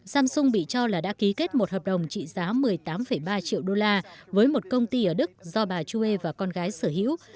samsung bị cho là đã ký kết một hợp đồng trị giá một mươi tám ba triệu đô la với một công ty ở đức do bà chuê và con gái sở hữu